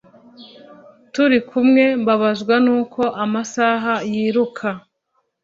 turikumwe mbabazwa nuko amasaha yiruka